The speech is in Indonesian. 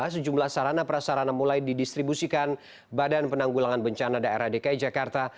sejumlah sarana prasarana mulai didistribusikan badan penanggulangan bencana daerah dki jakarta